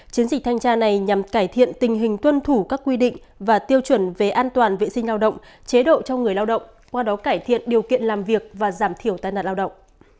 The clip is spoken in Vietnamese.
chiến dịch thanh tra này nhằm cải thiện tình hình tuân thủ các quy định và tiêu chuẩn về an toàn vệ sinh lao động chế độ cho người lao động qua đó cải thiện điều kiện làm việc và giảm thiểu tai nạn lao động